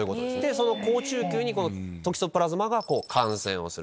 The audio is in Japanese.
その好中球にトキソプラズマが感染をする。